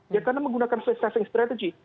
ya karena menggunakan sesuai strategi